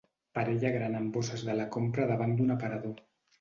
Parella gran amb bosses de la compra davant d'un aparador.